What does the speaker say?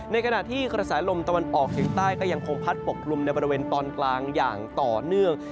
ในขณะที่กระแสลมตะวันออกเฉียงใต้ก็ยังคงพัดปกกลุ่มในบริเวณตอนกลางอย่างต่อเนื่อง